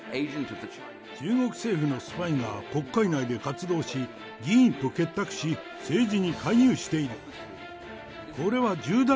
中国政府のスパイが国会内で活動し、議員と結託し、政治に介入している。